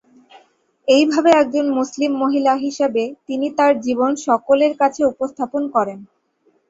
এইভাবে একজন মুসলিম মহিলা হিসাবে তিনি তার জীবন সকলের কাছে উপস্থাপন করেন।